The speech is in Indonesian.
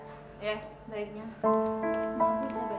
mungkin saya balik lagi sendiri